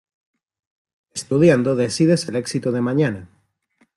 Estudiando decides el exito de mañana.